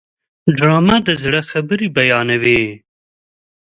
ډرامه د زړه خبرې بیانوي